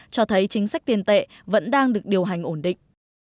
cho thấy chính sách tiền tệ vẫn đang được điều hành ổn định